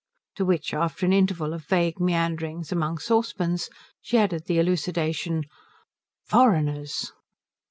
To which, after an interval of vague meanderings among saucepans, she added the elucidation, "Foreigners."